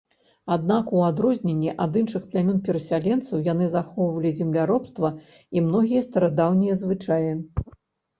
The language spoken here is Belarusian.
Аднак у адрозненні ад іншых плямён-перасяленцаў, яны захоўвалі земляробства і многія старадаўнія звычаі.